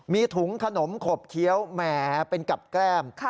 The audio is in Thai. มีถุงขนมขบเคี้ยวแหมเป็นกับแก้ม